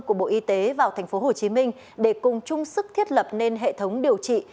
của bộ y tế vào thành phố hồ chí minh để cùng chung sức thiết lập nên hệ thống điều trị